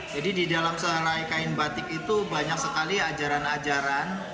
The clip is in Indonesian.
jadi di dalam selai kain batik itu banyak sekali ajaran ajaran